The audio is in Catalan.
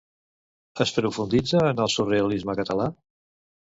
Es profunditza en el surrealisme català?